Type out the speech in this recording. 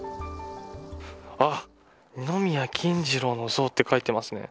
二宮金次郎の像って書いてますね。